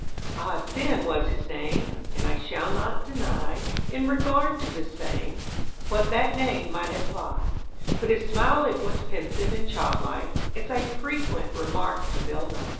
Ah Sin was his name, And I shall not deny In regard to the same What that name might imply; But his smile it was pensive and childlike, As I frequent remarked to Bill Nye.